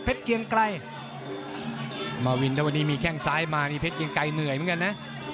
เพชรเกียงไก่มาวินแต่วันนี้มีแข่งซ้ายมานี่เพชรดังไก่เหนื่อยเหมือนกันนะ